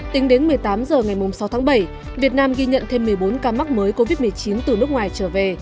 tính đến một mươi tám h ngày sáu tháng bảy việt nam ghi nhận thêm một mươi bốn ca mắc mới covid một mươi chín từ nước ngoài trở về